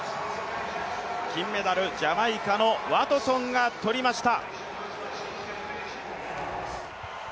金メダル、ジャマイカのワトソンが取りました。